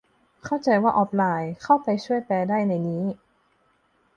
เข้าใจว่าออฟไลน์ เข้าไปช่วยแปลได้ในนี้